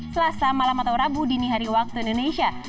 selasa malam atau rabu dini hari waktu indonesia